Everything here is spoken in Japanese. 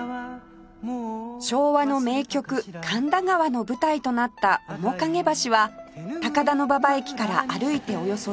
昭和の名曲『神田川』の舞台となった面影橋は高田馬場駅から歩いておよそ１５分